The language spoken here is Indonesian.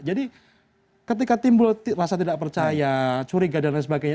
jadi ketika timbul rasa tidak percaya curiga dan sebagainya